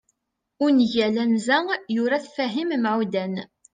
ungal anza, yura-t Fahim Meɛudan